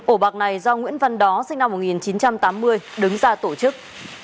ổ bạc này do nguyễn văn đó sinh năm một nghìn chín trăm tám mươi đứng ra tổ chức